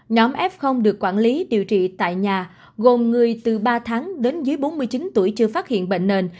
nhóm f được quản lý điều trị tại nhà gồm người từ ba tháng đến dưới bốn mươi chín tuổi chưa phát hiện bệnh nền